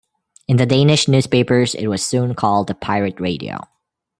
In the Danish newspapers it was soon called a "pirate radio".